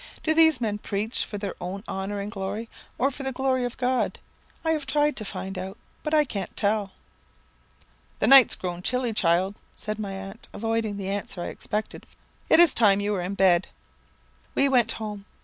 'Do these men preach for their own honour and glory, or for the glory of God? I have tried to find out, but I can't tell.' "'The night's grown chilly, child,' said my aunt, avoiding the answer I expected; 'it is time you were in bed.' "We went home.